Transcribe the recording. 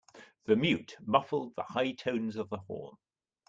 The mute muffled the high tones of the horn.